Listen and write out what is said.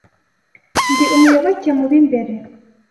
Ndi umuyoboke mu b’imbere